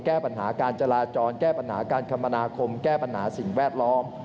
แก้ปัญหาการจราจรแก้ปัญหาการคมนาคมแก้ปัญหาสิ่งแวดล้อม